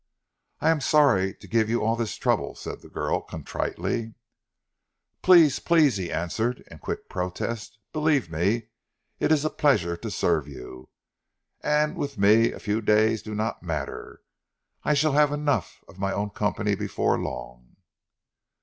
"I am sorry to give you all this trouble," said the girl contritely. "Please please!" he answered in quick protest. "Believe me it is a pleasure to serve you, and with me a few days do not matter. I shall have enough of my own company before long."